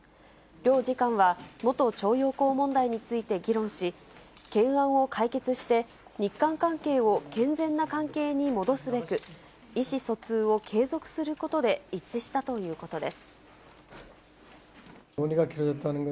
両次官は元徴用工問題について議論し、懸案を解決して日韓関係を健全な関係に戻すべく、意思疎通を継続することで一致したということです。